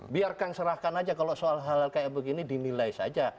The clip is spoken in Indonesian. biarkan serahkan saja kalau soal hal hal seperti ini dimilai saja